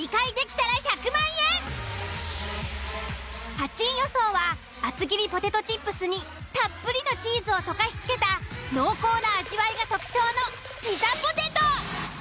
８位予想は厚切りポテトチップスにたっぷりのチーズを溶かし付けた濃厚な味わいが特徴のピザポテト。